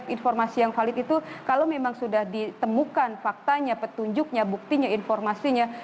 informasi yang valid itu kalau memang sudah ditemukan faktanya petunjuknya buktinya informasinya